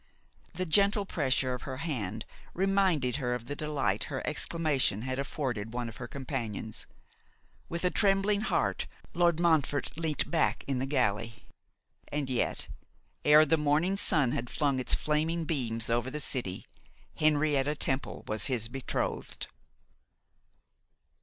The gentle pressure of her hand reminded her of the delight her exclamation had afforded one of her companions. With a trembling heart Lord Montfort leant back in the galley; and yet, ere the morning sun had flung its flaming beams over the city, Henrietta Temple was his betrothed.